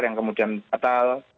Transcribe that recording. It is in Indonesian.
yang kemudian batal